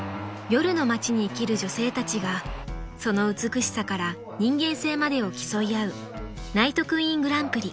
［夜の街に生きる女性たちがその美しさから人間性までを競い合うＮＩＧＨＴＱＵＥＥＮグランプリ］